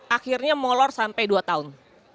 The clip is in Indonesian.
akhirnya molor sampai dua tahun